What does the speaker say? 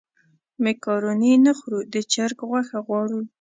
مېکاروني نه خورو د چرګ غوښه غواړو.